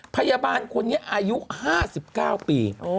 พยาบาลคนนี้อายุ๕๙ปี